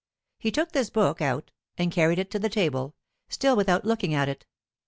He took this book out and carried it to the table, still without looking at it.